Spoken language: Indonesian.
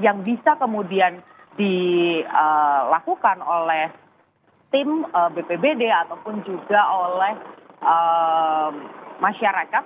yang bisa kemudian dilakukan oleh tim bpbd ataupun juga oleh masyarakat